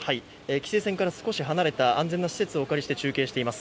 規制線から少し離れた安全な施設をお借りして中継しています。